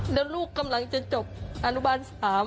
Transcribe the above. แล้วลูกกำลังจะจบอนุบาล๓